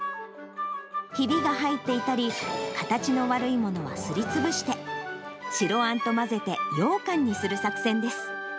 ひびが入っていたり、形の悪いものはすりつぶして、白あんと混ぜて、ようかんにする作戦です。